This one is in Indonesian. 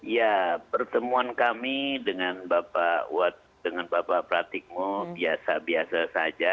ya pertemuan kami dengan bapak pratikno biasa biasa saja